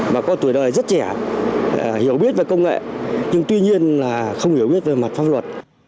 mà có tuổi đời rất trẻ hiểu biết về công nghệ nhưng tuy nhiên là không hiểu biết về mặt pháp luật